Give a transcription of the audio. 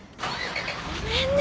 ごめんね。